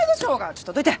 ちょっとどいて！